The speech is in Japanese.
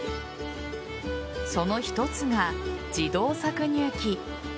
その一つが自動搾乳機。